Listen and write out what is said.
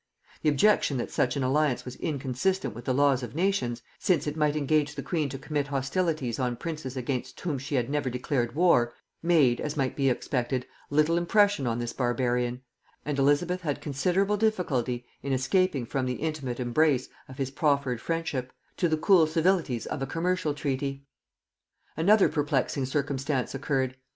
The objection that such an alliance was inconsistent with the laws of nations, since it might engage the queen to commit hostilities on princes against whom she had never declared war, made, as might be expected, little impression on this barbarian; and Elizabeth had considerable difficulty in escaping from the intimate embrace of his proffered friendship, to the cool civilities of a commercial treaty. Another perplexing circumstance occurred.